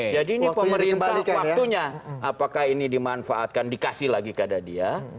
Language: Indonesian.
jadi ini pemerintah waktunya apakah ini dimanfaatkan dikasih lagi keadaan dia